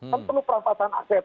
kan perlu perampasan aset